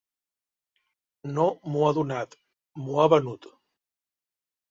No m'ho ha donat, m'ho ha venut.